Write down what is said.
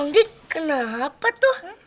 bang jid kenapa tuh